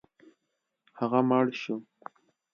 هغه مړ شو.